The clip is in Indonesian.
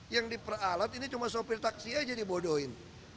yang diperalat ini cuma sopir taksi aja dibodohin